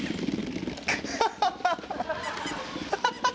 ハハハハ！